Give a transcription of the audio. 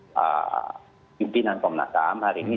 pimpinan pemnasam hari ini